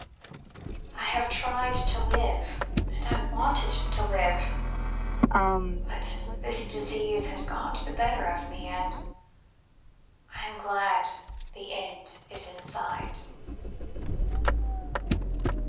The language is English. I have tried to live, and I wanted to live, but the disease has got the better of me, and I am glad the end is in sight."